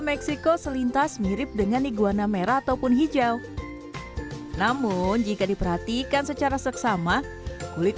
meksiko selintas mirip dengan iguana merah ataupun hijau namun jika diperhatikan secara seksama kulit